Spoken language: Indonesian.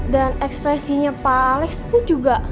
dan ekspresinya pak alex pun juga